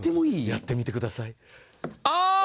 やってみてください。